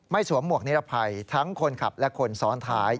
สวมหวกนิรภัยทั้งคนขับและคนซ้อนท้าย